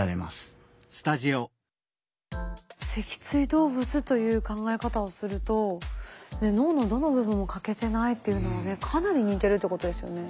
脊椎動物という考え方をすると脳のどの部分も欠けてないっていうのはねかなり似てるってことですよね。